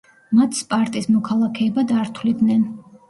მათ სპარტის მოქალაქეებად არ თვლიდნენ.